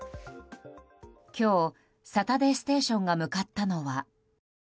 今日「サタデーステーション」が向かったのは。